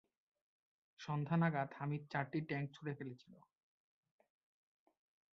সন্ধ্যা নাগাদ হামিদ চারটি ট্যাঙ্ক ছুঁড়ে ফেলেছিল।